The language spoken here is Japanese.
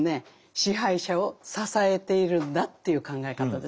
支配者を支えているんだという考え方ですね。